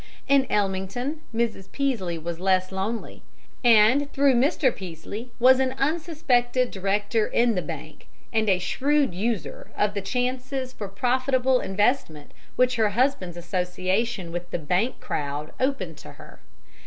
In Ellmington Mrs. Peaslee was less lonely, and through Mr. Peaslee was an unsuspected director in the bank, and a shrewd user of the chances for profitable investment which her husband's association with the "bank crowd" opened to her.